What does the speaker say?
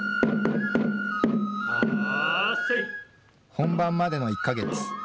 本番までの１か月。